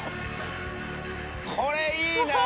これいいね！